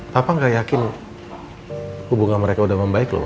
papa gak yakin hubungan mereka udah membaik loh